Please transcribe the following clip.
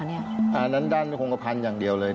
อันนั้นด้านฮงคพรรณอย่างเดียวเลย